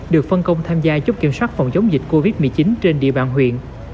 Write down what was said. được phân công tham gia giúp kiểm soát phòng chống dịch covid một mươi chín trên địa bàn huyện